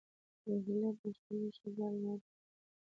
روهیله پښتنو شجاع الدوله ته ویلي.